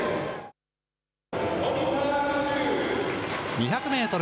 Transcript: ２００メートル